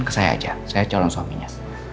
ke saya aja saya calon suaminya